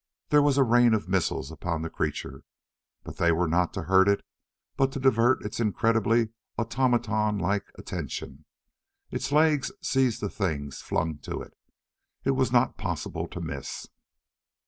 There was a rain of missiles upon the creature. But they were not to hurt it, but to divert its incredibly automaton like attention. Its legs seized the things flung to it. It was not possible to miss.